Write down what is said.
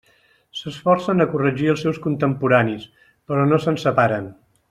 S'esforcen a corregir els seus contemporanis, però no se'n separen.